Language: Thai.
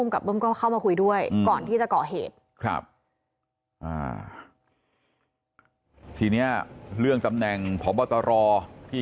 กับเบิ้มก็เข้ามาคุยด้วยก่อนที่จะก่อเหตุครับอ่าทีเนี้ยเรื่องตำแหน่งพบตรที่